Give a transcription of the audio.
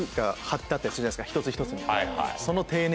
一つ一つにその。